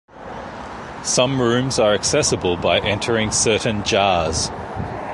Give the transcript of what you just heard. Some rooms are accessible by entering certain jars.